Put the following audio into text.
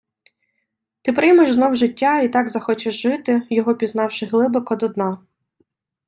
Ти приймеш знов життя і так захочеш жити, його пізнавши глибоко, до дна